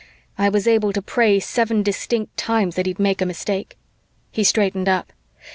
I was able to pray seven distinct times that he'd make a mistake. He straightened up.